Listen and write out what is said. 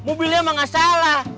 mobilnya emang nggak salah